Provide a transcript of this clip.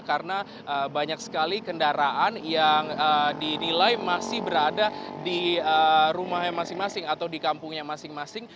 karena banyak sekali kendaraan yang dinilai masih berada di rumahnya masing masing atau di kampungnya masing masing